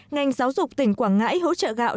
ngành giáo dục tỉnh quảng ngãi hỗ trợ gạo